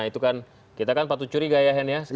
itu kan kita kan patut curiga ya hen ya